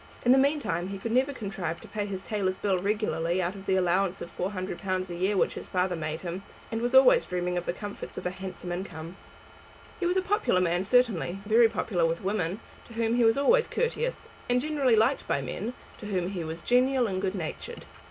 In the meantime he could never contrive to pay his tailor's bill regularly out of the allowance of £400 a year which his father made him, and was always dreaming of the comforts of a handsome income. He was a popular man certainly, very popular with women, to whom he was always courteous, and generally liked by men, to whom he was genial and good natured.